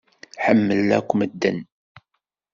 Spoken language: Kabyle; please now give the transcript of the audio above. Ḥemmel akk medden.